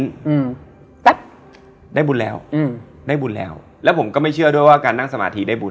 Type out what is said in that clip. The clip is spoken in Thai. อืมแป๊บได้บุญแล้วอืมได้บุญแล้วแล้วผมก็ไม่เชื่อด้วยว่าการนั่งสมาธิได้บุญ